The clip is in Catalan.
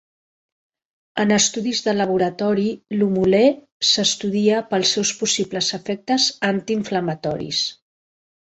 En estudis de laboratori, l'humulè s'estudia pels seus possibles efectes antiinflamatoris.